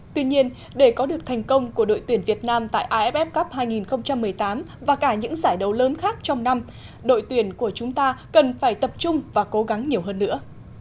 tuy nhiên để có được thành công của đội tuyển việt nam tại aff cup hai nghìn một mươi tám và cả những giải đấu lớn khác trong năm đội tuyển của chúng ta cần phải tập trung và cố gắng nhiều hơn nữa